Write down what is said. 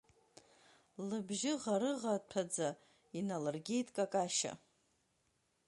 Лыбжьы ӷарыӷаҭәаӡа иналыргеит Какашьа.